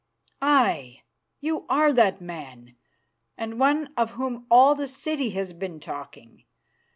"Aye, you are that man, and one of whom all the city has been talking.